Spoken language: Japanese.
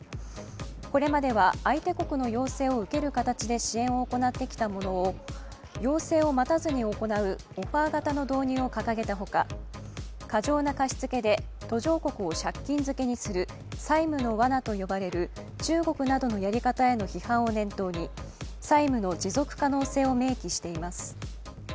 これまでは相手国の要請を受ける形で支援を行ってきたものを要請を待たずに行うオファー型の導入を掲げたほか、過剰な貸付で途上国を借金漬けにする債務のわなと呼ばれる中国などのやり方への批判を念頭に債務の持続可能性を明記しています。